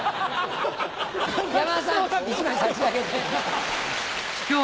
山田さん１枚差し上げて。